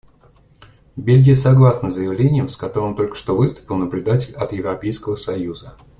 Бельгия согласна с заявлением, с которым только что выступил наблюдатель от Европейского союза.